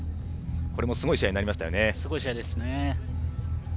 これもすごい試合になりましたね。